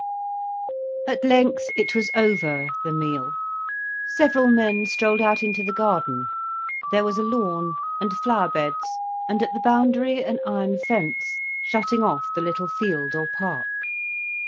At length it was over, the meal. Several men strolled out into the garden. There was a lawn, and flower beds, and at the boundary an iron fence shutting off the little field or park.